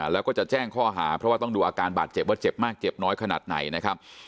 แล้วก็จะแจ้งข้อหาเพราะว่าต้องดูอาการบาดเจ็บว่าเจ็บมากเจ็บน้อยขนาดไหนนะครับ